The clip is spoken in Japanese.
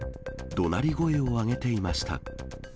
どなり声を上げていました。